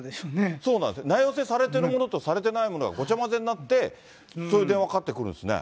そうなんですよ、名寄せされているものとされてないものがごちゃ混ぜになって、そういう電話かかってくるんですね。